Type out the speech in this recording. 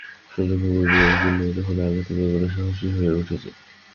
শোনো, কাকামুচোর বিড়াল গুলো এখন আগের থেকে সাহসী হয়ে উঠেছে।